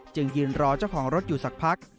จึงยืนรอเจ้าของรถอยู่สักพัก